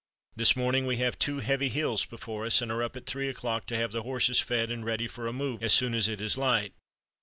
This morning we have two heavy hills before us, and are up at three o'clock to have the horses fed and ready for a move as soon as it is light.